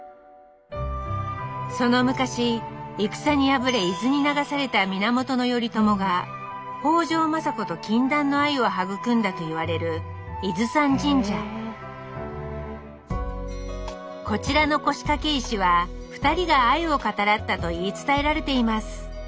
その昔戦に敗れ伊豆に流された源頼朝が北条政子と禁断の愛を育んだといわれるこちらの腰掛け石は２人が愛を語らったと言い伝えられています